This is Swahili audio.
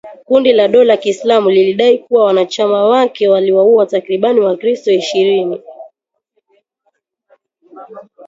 Kundi la dola ya Kiislamu lilidai kuwa wanachama wake waliwaua takribani wakristo ishirini